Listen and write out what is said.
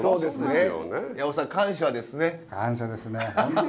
そうですね。